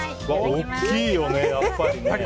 うわ、大きいよね、やっぱりね。